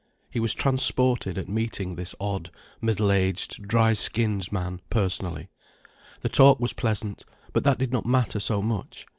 He was transported at meeting this odd, middle aged, dry skinned man, personally. The talk was pleasant, but that did not matter so much.